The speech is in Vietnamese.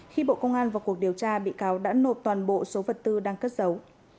khi bộ công an vào cuộc điều tra bị cáo đã nộp toàn bộ số vật tư đang cất giấu